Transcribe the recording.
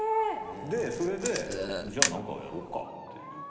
でそれでじゃあ何かやろうかっていう。